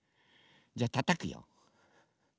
じゃあたたくよ。